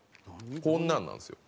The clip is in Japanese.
こんなのなんですよ。